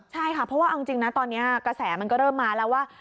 ใช่ค่ะเพราะว่าเอาจริงนะตอนนี้กระแสมันก็เริ่มมาแล้วว่า